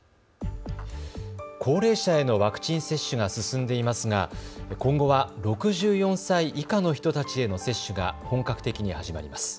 高齢者へのワクチン接種が進んでいますが今後は６４歳以下の人たちへの接種が本格的に始まります。